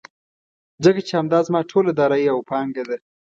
ځکه چې همدا زما ټوله دارايي او پانګه ده.